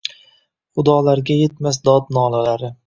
xudolarga yetmas dod-nolalari.